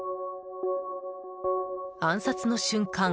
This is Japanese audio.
暗殺の瞬間